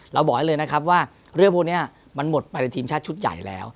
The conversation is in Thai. บอกให้เลยนะครับว่าเรื่องพวกนี้มันหมดไปในทีมชาติชุดใหญ่แล้ว